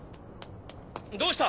どうした？